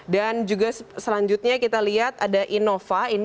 dan juga selanjutnya kita lihat ada innova